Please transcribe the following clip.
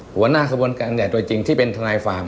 หัวหน้ากระบวนการแห่งตัวจริงที่เป็นทนายฟาร์ม